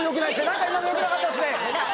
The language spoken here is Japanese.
何か今のよくなかったですね！